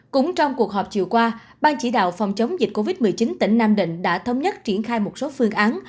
cũng trong cuộc họp chiều qua ban chỉ đạo phòng chống dịch covid một mươi chín tỉnh nam định đã thống nhất triển khai một số phương án